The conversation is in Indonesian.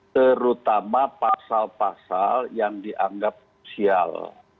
terutama pasal pasal yang dianggap krusial